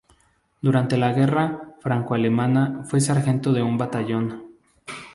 Durante la guerra franco-alemana fue sargento de un batallón.